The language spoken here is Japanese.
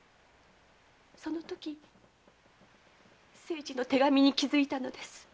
そのときに清次の手紙に気づいたのです。